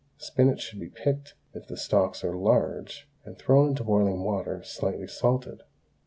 Spinach should be picked if the stalks are large, and thrown into boiling water slightly salted.